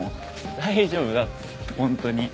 大丈夫だってホントに。